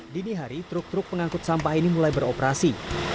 dini hari truk truk pengangkut sampah ini mulai beroperasi